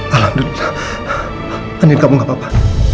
alhamdulillah andin kamu gak apa apa